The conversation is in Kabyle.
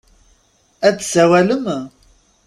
Ad d-tsawalem?